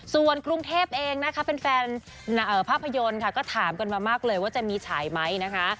ส่วนกรุงเทพเองนะคะแฟนภาพยนตร์ค่ะก็ถามกันมามากเลยว่าจะมีฉายไหมนะคะ